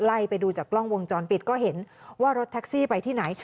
ไล่ไปดูจากกล้องวงจรปิดก็เห็นว่ารถแท็กซี่ไปที่ไหน